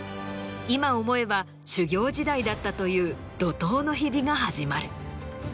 今思えば修業時代だったという怒涛の日々が始まる。